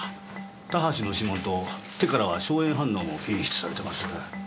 田橋の指紋と手からは硝煙反応も検出されてます。